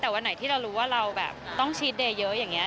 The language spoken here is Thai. แต่วันไหนที่เรารู้ว่าเราแบบต้องชีสเดย์เยอะอย่างนี้